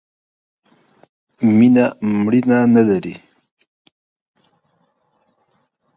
مینه ، مړینه نه لري.